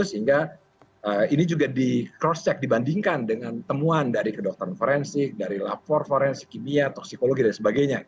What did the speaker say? sehingga ini juga di cross check dibandingkan dengan temuan dari kedokteran forensik dari lapor forensik kimia toksikologi dan sebagainya